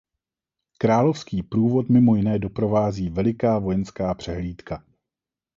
Královský průvod mimo jiné doprovází veliká vojenská přehlídka.